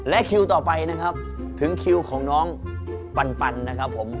คิวต่อไปนะครับถึงคิวของน้องปันนะครับผม